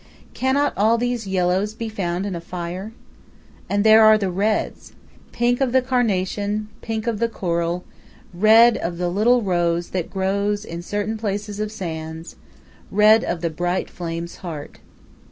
Cannot all these yellows be found in a fire? And there are the reds pink of the carnation, pink of the coral, red of the little rose that grows in certain places of sands, red of the bright flame's heart.